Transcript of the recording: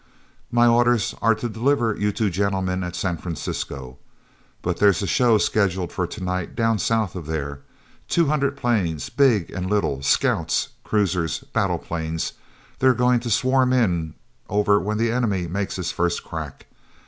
"My orders are to deliver you two gentlemen at San Francisco. But there's a show scheduled for to night down south of there—two hundred planes, big and little, scouts, cruisers, battle planes. They're going to swarm in over when the enemy makes his first crack.